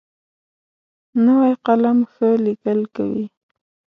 نوی قلم ښه لیکل کوي